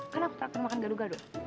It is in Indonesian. kan aku terlalu pernah makan gaduga dong